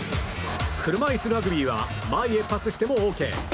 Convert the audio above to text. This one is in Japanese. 車いすラグビーは前へパスしてもＯＫ。